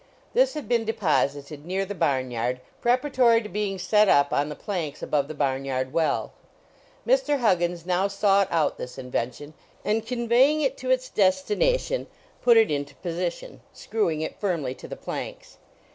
This had been deposited near the barn yard, preparatory to being set up on the planks above the barn yard well. Mr. Huggins now sought out this invention and conveying it to its destination put it into position, screwing it firmly to the planks.